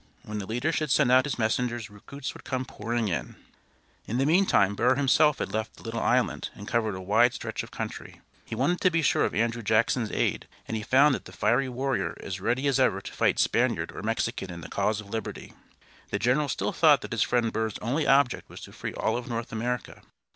When the leader should send out his messengers recruits would come pouring in. In the meantime Burr himself had left the little island and covered a wide stretch of country. He wanted to be sure of Andrew Jackson's aid, and he found that fiery warrior as ready as ever to fight Spaniard or Mexican in the cause of liberty. The general still thought that his friend Burr's only object was to free all of North America.